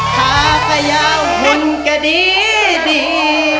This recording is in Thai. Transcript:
ท่าพระยาหุ่นกระดี๊ดี